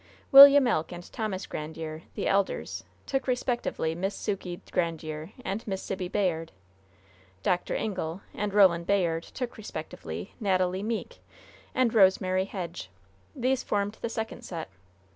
William Elk and Thomas Grandiere, the elders, took respectively Miss Sukey Grandiere and Miss Sibby Bayard; Dr. Ingle and Roland Bayard took respectively Natalie Meeke and Rosemary Hedge. These formed the second set.